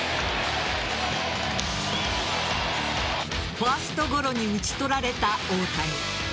ファーストゴロに打ち取られた大谷。